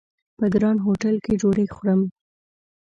په ګران هوټل کې ډوډۍ خورم!